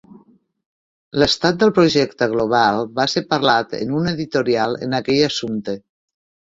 L'estat del projecte global va ser parlat en un Editorial en aquell assumpte.